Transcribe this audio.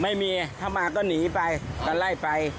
ไม่มีถ้ามาก็หนีไปก็ไล่ไป